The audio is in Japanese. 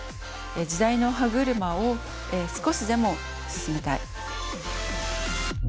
時代の歯車を少しでも進めたい。